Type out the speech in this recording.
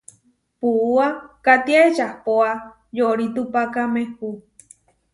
Puúa kátia ečahpóa yoritupakámehu.